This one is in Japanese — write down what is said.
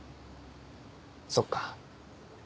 そっか。